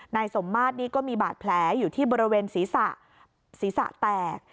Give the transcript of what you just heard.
นายสมมาตรนี่ก็มีบาดแผลอยู่ที่บริเวณศีรษะศีรษะแตก